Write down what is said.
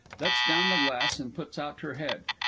(_Lets down the glass and puts out her head.